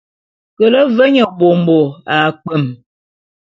Kele ve nye bômbo a kpwem.